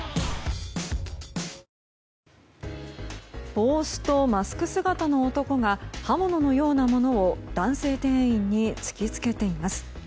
帽子とマスク姿の男が刃物のようなものを男性店員に突き付けています。